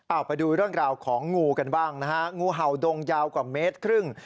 เอาไปดูเรื่องราวของงูกันบ้างนะฮะงูเห่าดงยาวกว่าเมตรครึ่ง